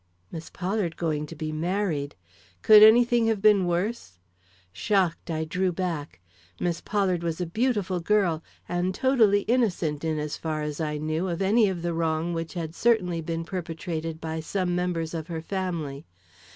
Miss Pollard going to be married! Could any thing have been worse? Shocked, I drew back; Miss Pollard was a beautiful girl and totally innocent, in as far as I knew, of any of the wrong which had certainly been perpetrated by some members of her family.